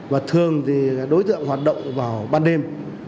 và thường thì đối tượng hoạt động vào ban đêm